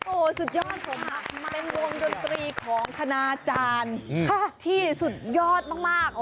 โอ้โหสุดยอดผมเป็นวงดนตรีของคณาจารย์ที่สุดยอดมาก